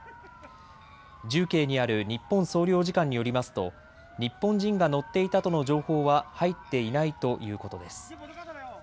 重慶にある日本総領事館によりますと日本人が乗っていたとの情報は入っていないということです。